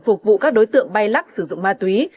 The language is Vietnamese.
phục vụ các đối tượng bay lắc sử dụng ma túy